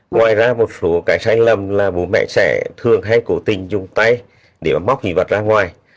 ngoài ra một số cái sai lầm là bố mẹ sẽ thường hay cố tình dùng tay để móc hiện vật ra ngoài